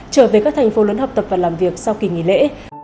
cảm ơn quý vị đã theo dõi và làm việc sau kỳ nghỉ lễ